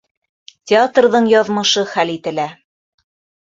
Театрҙың яҙмышы хәл ителә!